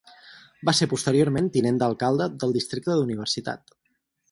Va ser posteriorment tinent d'alcalde del districte d'Universitat.